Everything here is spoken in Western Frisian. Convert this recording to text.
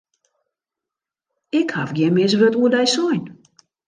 Ik haw gjin mis wurd oer dy sein.